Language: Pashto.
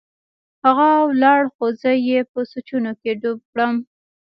هغه ولاړ خو زه يې په سوچونو کښې ډوب کړم.